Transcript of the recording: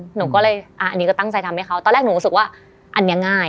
หนูก็เลยอันนี้ก็ตั้งใจทำให้เขาตอนแรกหนูรู้สึกว่าอันนี้ง่าย